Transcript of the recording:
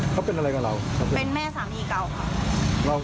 เขาเป็นอะไรกับเราเป็นแม่สามีเก่าค่ะ